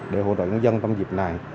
để hỗ trợ nhân dân trong dịp này